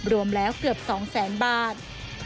รวมแล้วเกือบ๒๐๐๐๐บาท